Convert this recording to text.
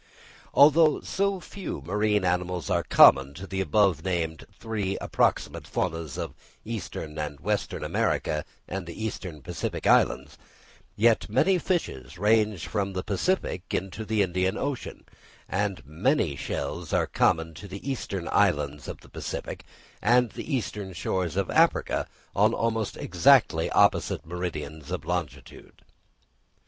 Although so few marine animals are common to the above named three approximate faunas of Eastern and Western America and the eastern Pacific islands, yet many fishes range from the Pacific into the Indian Ocean, and many shells are common to the eastern islands of the Pacific and the eastern shores of Africa on almost exactly opposite meridians of longitude.